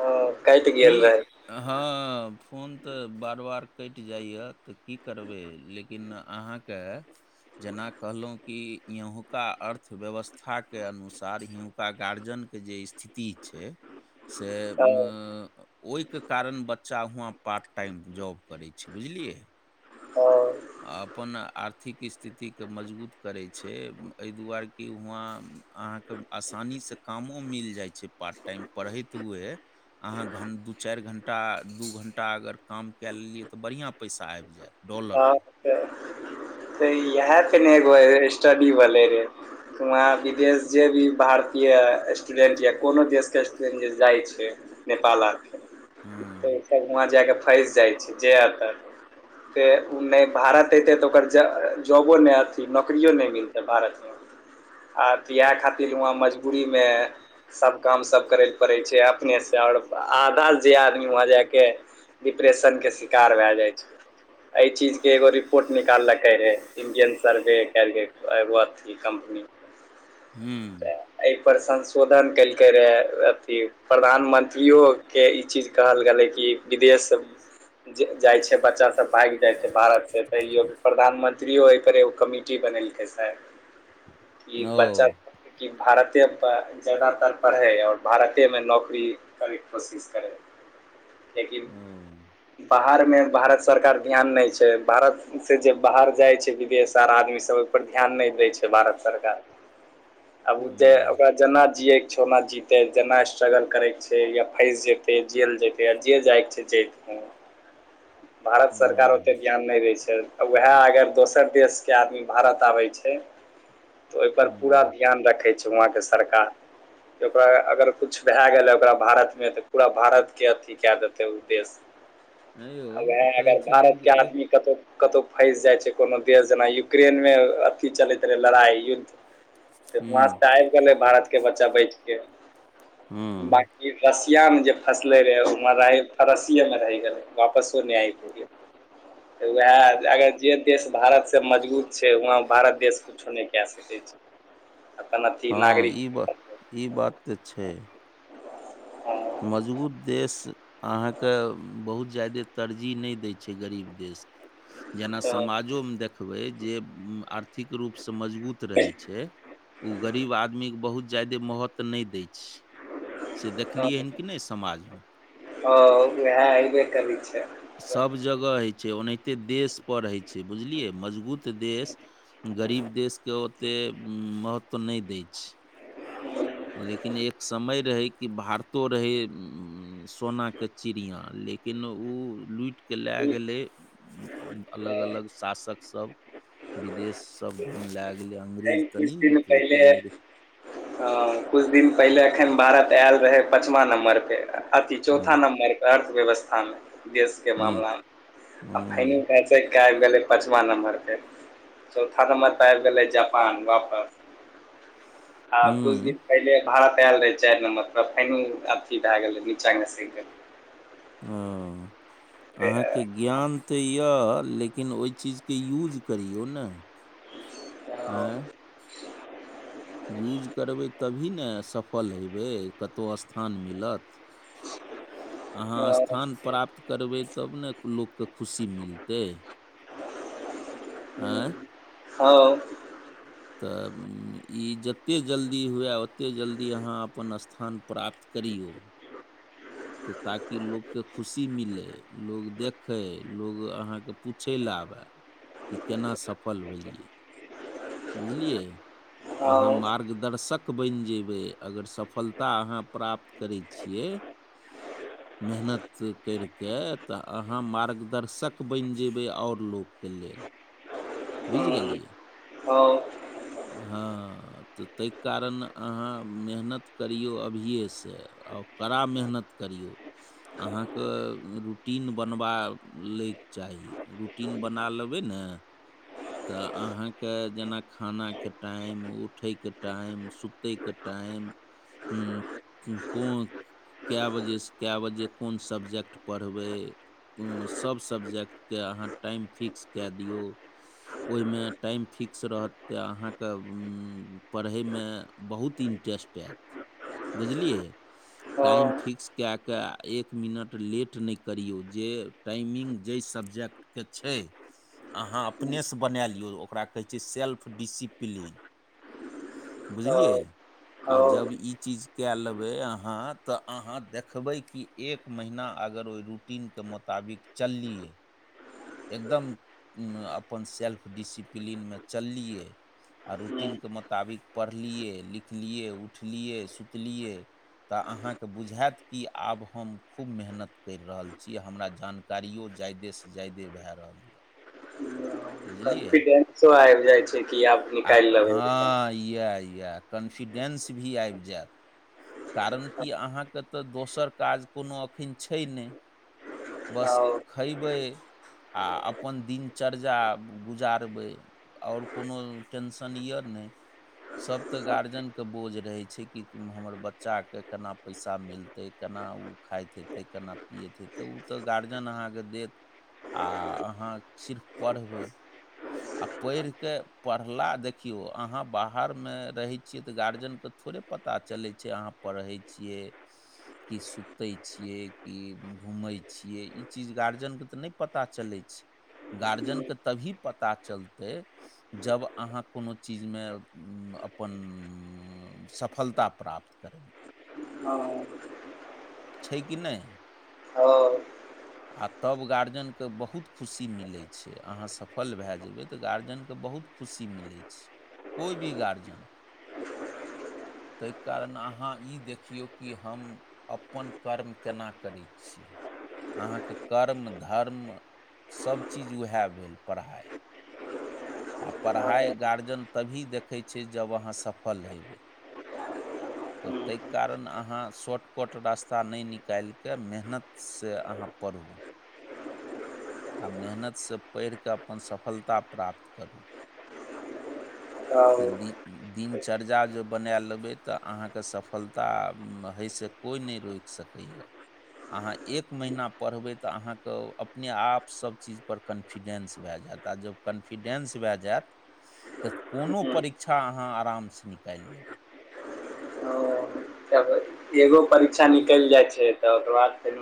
ह- कैट गेल रहै। ह फोन तऽ बार-बार कटि जाइए तऽ की करबै लेकिन अहा के जेना कहलहु कि यहुका अर्थव्यवस्थाके अनुसार। एतुका गार्जियनके जे स्थिति छैय से हँ मऽ ओहिके कारण बच्चा हुआ पार्ट टाइम जॉब करै छैय बुझलियै। हँ अपन आर्थिक स्थितिकेँ मजबूत करै छैय एहि दुआरे कि वआँ अहाँ आसानीसँ कामो मिल जाइ छैय पार्ट टाइम पढ़ैत हुए। अहा घं दु चारि घण्टा दु घण्टा अगर काम कए लेलियै तऽ बढ़िआ पैसा आबि जायत। त डॉलर त इएह तने एगो स्टडी भेलै रहेय। वहा विदेश जेभी भारत। या स्टूडेंट या कोनो देशके स्टूडेंट जे जाइ छैय नेपाल आरके। त हूँ सब वहा जाय क फसि जाइ छी जे एत। तऽ ओ नै भारत अतै तऽ ओकर जऽ जॉबो नहि अथी नौकरियो नहि मिलतै भारत। आर तऽ इएह खातिर वहाँ मजबूरीमे सब काम सब करै पड़ै छै आब अपने से ओर आधा जे आदमी वहा जाएके डिप्रेशनके शिकार भऽ जाइ छैय। एहि चीजके एगो रिपोर्ट निकाललकै हय। इंडियन सर्वे कैलगेल एगो अथी कम्पनी। हु। तऽ एहिपर संशोधन केलकै रहए अथी। प्रधानमंत्रियो के इ चीज कहल गेलै। कि विदेश जाइ छै बच्चा सब। भारत से तयो प्रधानमंत्रियो एकरे एगो कमिटी बनेलकै से। इक बच्चा ओ कि भारतेप जादातर पढ़ै और भारतेमे नौकरी। कभी कोशिश करे। [inaudible] लेकिन ओ बाहरमे भारत सरकार ध्यान नै छै भारतसे जे बाहर जाइ छै विदेश आर आदमी सब ओहिपर ध्यान नहि दै छै भारत सरकार। [inaudible] आब उजे हूँ ओकरा जेना जिये के छौ ओना जीव। तऽ जेना स्ट्रगल करैके छै या फसि जेतै जेल जेतै य जे जाइके छै जेतै। भारत सरकार हूँ ओते ज्ञान नै रै छै। उहे अगर दोसर देशके आदमी भारत आबै छै। ओहिपर पूरा हूँ ध्यान रखै छै वआके सरकार। जे ओकरा अगर कुछ भेऽ गेलै ओकरा भारतमे तऽ पूरा भारतके अथी के देतै ओ देश। ऐई हो तऽ कहै छै भारत लोग के एक आदमी क कतहु कतहु फँसि जाइछै कोनो देश जेना यूक्रेनमे अथि चलैत रहै लड़ाइ युद्ध। तेना स हूँ आबि गेलै भारत के बच्चा बैठके हूँ बाकि रस इहे मे जे फसले रहे उम्हर रहै फरसिये मे रहि गेले वपसो नै एल। वेहे अगर जे देश भारतसँ मजगुत छै वहाँ भारत देश कुछो नहि। कए सकै छै अपन अथी नागरिक। इ बात तऽ छै। हँ मजगुत देश अहाँके बहुत जा्यदे तरजी नय दय छय गरीब देशके जेना हँ समाजोमे देखबय जे आर्थिक रूपसँ मजबुत रहय छय। उ गरीब आदमीके बहुत जा्यदे महोत नय दय छय से देखिलियै हन कि नय समाजमे ह उहे हयबे करय छय सब जगह होइ छय ओनाहिते देशपर होइ छय बुझलियै मजबुत त देश गरीब देशके ओतेक महत्ब नय दय छय। ह [inaudible] लेकिन एक समय रहय कि भारतो रहय ए सोनाके चिड़िया लेकिन उऽ लुइट के ल्लै गेलय। अलग अलग एखन शासक सब बिदेश सब ल्ले गेलै अंग्रेज तऽ नहि कियू लुटलकै केलय अंग्रेज ह कुछ दिन पहिले एखन भारत एल रहय पचमाँ नम्बर पे अथी हूँ चौथा नम्बर पर अर्थव्यवस्था मे देश के हूँ मामलामे आ पइने हूँ भै जे आब गेलै पाचमा नम्बरपै चौथा नम्बर पर आइब गेलै जापान वापस आ कुछ हूँ दिन पहिले भारत आयल रहय चाइर नम्बर पर फाइनल कथी भए गेलै निचा घुसैक गेलय अओ ए, अहाँके गी ज्ञान तऽ यऽ लेकिन ओई चिजके यूज करियौ ने। अ, अ, एअ युज करबय तभी ने सफल हेबय कतऊ स्थान मिलत [inaudible] अहाँ हँ स्थान प्राप्त करबय तब नऽ लोकके खुशी मिलतय एअ ह तऽ इ जते जल्दी हुए ओते जल्दी अहाँ अपन स्थान प्राप्त। करियौओ तऽ ताकि लोककेँ खुशी मिलय लोक देखय लोक अहाँके पूछय लै आबय कि केना सफल भेलिय्य बुझलियै अहाँ हँ मार्गदर्शक बन जेयबय अगर सफलता अहाँ प्राप्त कर छिय मेहनत कएर के तऽ अहाँ मार्गदर्शक बन जेबय आओर लोकके लेल बुझ गेलिय्य हा हँ तऽ तैय कारण अहाँ मेहनत करियौ अभियए सै आउ कड़ा मेहनत करियौ अहाँके रूटीन बनबा लैय चाही रूटीन बना लेबय ने। तऽ अहाँके जेना खानाके टाइम उठयके टाइम सुतयके टाइम ह कोन के बजेसँ सऽ के बजे कोन सब्जेक्ट पढ़बय उ सब सब्जेक्टके अहाँ टाइम फिक्स के दियौ ओइ मे टाइम फिक्स रहत तऽ अहाँके ओ पढ़यमे बहुत इंटरेस्ट ऐत बुझलियै टाइम फिक्स किऐ कऽ एक मिनट लेट नय करिऔ जे टाइमिंग जाय सब्जेक्ट के छै अहाँ अपनेसै बना लियौ ओकरा कहै छै सेल्फ डिसिप्लीन बुझलियै आ जब ई चीज कय लेबै अहां त अहां देखबै कि एक महिना अगर ओइ रुटीन के मत मुताबिक चललियै। एकदम अपन सेल्फ डिसिप्लीनमे चललियै। आ रूटीनके मोताबिक पढ़लियै, लिखलियै, उठलियै, सुतलियै तऽ अहाँके बुझायत कि आब हम खूब मेहनत करि रहल छी हमरा जान कारियो जा्यदेसँ जा्यदे भए रहल यऽ। बुझलियै कॉन्फिडेंसो आबि जाइ छै कि आब आ निकालि लेबै हँ यैह यैह। कॉन्फिडेन्स भी आबि जायत। कारण कि अहाँके तऽ दोसर काज कोनो एखन छै नै। बस खयबै आ अपन दिनचर्या गुजारबै। और कोनो टेंशन य नै। सभ तऽ गार्जियन के बोझ रहे छै कि हमर बच्चा बच्चाके केना पैसा मिलतै केना ओ खाइत हेतै केना पिये हेतै ओ तऽ गार्जियन अहाँके देत आ अहाँ सिर्फ पढ़बै। आ पढ़िकऽ पढ़ला, देखियौ अहाँ बाहरमे रहै छियै तऽ गार्जियनके थोड़े पता चलै छै अहाँ पढ़ै छियै कि सुतै छियै कि घूमै छियै ई चीज गार्जियन के तऽ नहि पता चलै छै, गार्जियनके तभी पता चलतै जब अहाँ कोनो चीजमे अपन सफलता प्राप्त करबै। [unintelligible] छै कि नहि। [inaudible] [inaudible] आ तब गार्जियनके बहुत खुशी मिलै छै, अहाँ सफल भए जेबै तऽ गार्जियनके बहुत खुशी मिलै छै कोइ भी गार्जियन। तै कारण अहाँ ई देखियौ कि हम अपन कर्म केना करैत छी। अहाँके कर्म धर्म सभ चीज वैह भेल पढ़ाइ। आ पढ़ाइ गार्जियन तभी देखै छै जब अहाँ सफल हेबै। तऽ तै कारण अहाँ शॉर्टकट रास्ता नै निकैल कऽ मेहनत सँ अहाँ पढ़ू। ह [inaudible] आ मेहनत सँ पैढ़ कऽ अपन सफलता प्राप्त करू। त दिनचर्या ज बना लेबै त अहां। त सफलता होई से कोइ नै रोकि सकैये। अहाँ एक महीना पढ़बै तऽ अहाँके अपने आप सब चीज पर कॉन्फिडेन्स भए जायत आ जब कॉन्फिडेन्स भए जायत तऽ कोनो परिक्षा अहाँ आरामसँ निकालि लेब। हं तब एगो परीक्षा निकैल जाइ छै तऽ ओकर बाद फेर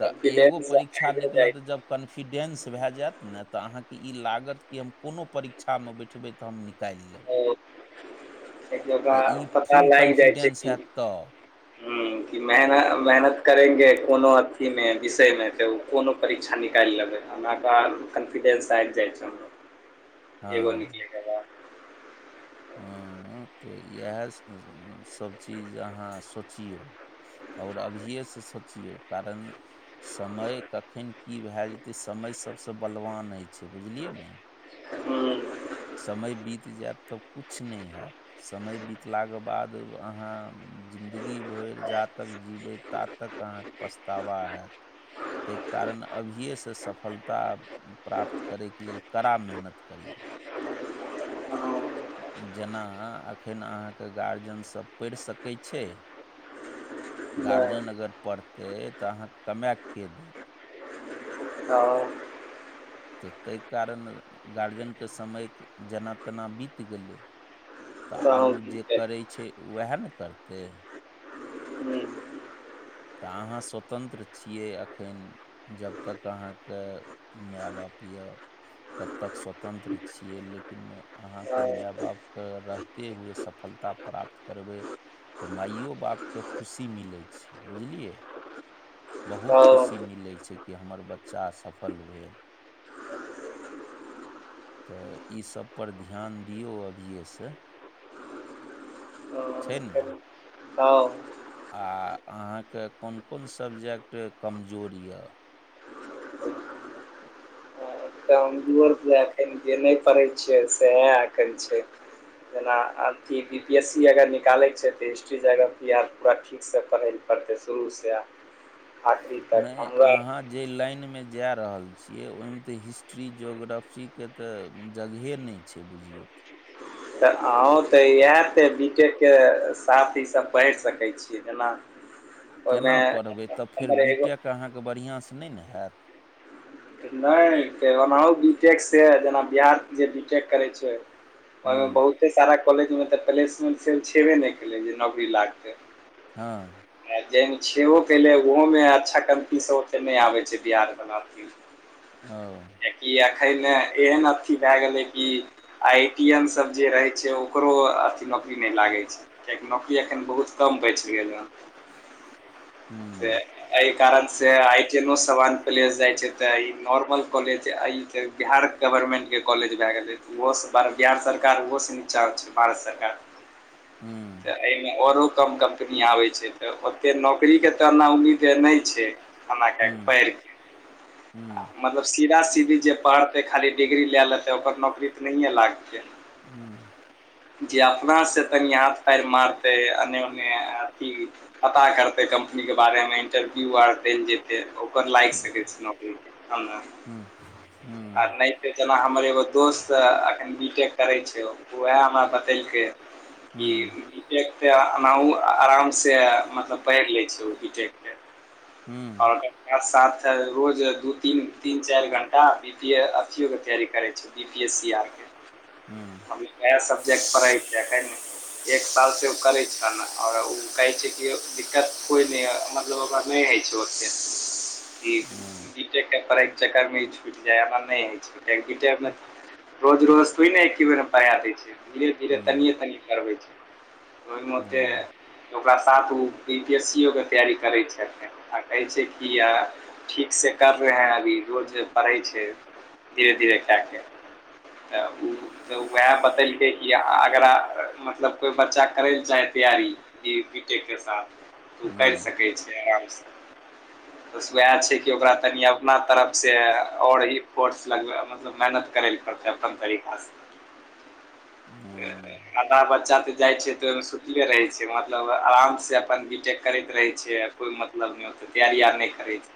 तऽ एगो परिक्षा निकलत जब कॉन्फिडेन्स भय जायत ने तऽ अहाँके ई लागत कि हम कोनो परीक्षामे बैठबै तऽ हम नीक निकालि लेब। एक जगह पता फुल लागि जाइ छै कॉन्फिडेंस कि हैत तऽ। की मेहन मेहनत करेंगे कोनो अथीमे विषयमे, त उ कोनो परीक्षा निकैल लेबै। ओना कऽ कॉन्फिडेन्स आबि जाइ छन। हू एगो निकले हँ तऽ इएह सबचीज अहाँ सोचियौ और अभिये स सोचियौ कारण समय कखन की भए जेतै, समय सबसँ बलवान हय छय बुझलियै ने हम्म। समय बीत जैत तऽ कुछ नहि हैत। समय बितलाक बाद, अहाँ जिन्दगी भरि जा तक जीबै ता तक अहाँ पछतावा हैत, तैय कारण अभिये स सफलता प्राप्त करैके लेल कड़ा मेहनत करियौ। जेनाऽ एखन अहाँके गार्जियनसब पैढ़ सकै छै? गार्जियन तऽ अगर पढ़तै तऽ अहाँक कमैएऽ के देत। हं। त तैय कारण गार्जियनके समय जेना-तेना बीत गेलै। तऽ आब उ जे करै छै, वैहे ने करतै। त अहाँ स्वतन्त्र छियै अखैन। जब तक अहाँके मैए-बाप यऽ तब तक स्वतन्त्र छियै, लेकिन अहाँके मैए-बाप कऽ रहते हुए सफलता प्राप्त करबै तऽ माइयो-बाप क खुशी मिलै छै। बुझलियै, बहुत खुशी मिलै छै कि हमर बच्चा सफल भेल। तऽ इसब पर ध्यान दियौ अभिये सऽ। छै ने। हँ। आ अहाँक कोन-कोन सब्जेक्ट कमजोर य क- कमजोर तैं एखन जे नहि पढ़ै छियै, सैहै एखन छै। जेना अथी बी पी एस सी अगर निकालै छै तऽ, हिस्ट्री जगरफी याद पूरा ठी ठीकसै पढ़ै लए पड़तै शुरूसैऽ। नहि अहाँ जे लाइन मे जा रहल छियै, ओहिमे तऽ हिस्ट्री ज्योग्राफी के तऽ जगहे नहि छै बुझियौ त। त अहूँ त यैह त, बी टेक के साथ ईसब पैढ़ सकै छियै, जेना केना ओहिमे पढ़बै त फेर हमर बी एगो टेक अहाँके बढ़ियां स नैय ने हैत। नहि ते ओनाहुँ बी टेक से, जेना बिहार से जे बी टेक करै छैय ओहिमे हूँ बहुते सारा कॉलेज मे त प्लेसमेंट सेल छेबे नहि केलै जे नौकरी लागतै। हँ। आ जहि मे छेबो कैलै, ओहोमे अच्छा कम्पनी सब ओते नहि आबै छैय बिहार बला में अओं। कि अखैन ने एहेन अथी भै गेलै कि आइ टी एम सब जे रहै छैय ओकरो नौकरी नहि लागै छैय, कियेकि नौकरी एखन बहुत कम बचि गेल हँ ते हूँ एहि कारण से आइ टी यनो सबान प्लेस जाय छैय तें ई नॉर्मल कॉलेज, आइ जे बिहार गवर्मेन्टके कॉलेज भय गेलै तऽ उहो सऽ बिहार सरकार ओहो सँ निचा होइ छैय भारत सरकार हँ। तऽ एहिमे ओरो कम कम्पनी आबै छैय तऽ ओते नौकरीके तऽ एना उम्मीदे नहि छैय। हमरा कहै पैढ हुँ। मतलब सीधा सीधी जे पढ़तै खाली डिग्री लय लेतै ओकर नौकरी तऽ नहिये लागतै। हुँ। जे अपना से तनि हाथ पैर मारतै अने ओने अथी पता करतै कम्पनी के बारे मे इंटरव्यू आर दयले जेतै ओकर लागि हूँ सकै छैय नौकरी। हूँ हूँ [unintelligible] नहि त जेना हमर एगो दोस्त एखन बी टेक करै छैय ओ। वैह हमरा बतेलकै कि हूँ एक त अनाहुं आराम से मतलब पढ़ि लै छैय उ बी टेक के। हँ। ओर ओकर साथ रोज दू तीन तीन चारि घण्टा बी पी ए अथियोके तैयारी करै छैय बी पी एस सी आरके। हँ। अभी नया सब्जेक्ट पढ़ै के है। जे एक साल से ओ करै छऽ न आओर ओ कहै छैय कि दिक्कत कोय नहि ये दोगा नहि अछि ओते। [inaudible] इ हूँ बी टेक के करै के चक्कर मे इ छुटि जाय एहेन नहि होय छैय कियेकी बी टेक मे रोज-रोज सुइने के एके बेर हम पढ़े दैय छियै धीरे धीरे तनिए तनिए पढ़बै छैय। ओहिमेे ओते ओकरा सात गो ओ बी पी एस सी ओ के तैयारी करै छथि। आ कहै छैय किया ठीक से कर रहे है अभी रोज पढ़ै छैय धीरे-धीरे कयके तऽ उ। तऽ वहे बतेलकै कि आगर आहा मतलब कोइ बच्चा करय चाही तैयरी। ई बी टेक के साथ। त उ करि सकै छैय आराम सँ बस वोह छैय कि ओकर। कनि अपना तरफ से ओर ही। कोर्स लगबय मतलब मेहनत करै पड़तै अपन तरीका स। [unintelligible] आधा बच्चा तऽ जाय छैय तऽ सुतले रहै छैय मतलब आराम स अपन बी टेक करैत रहै छैय। कोइ मतलब नहि ओते तैयारी आर नहि करै छैय।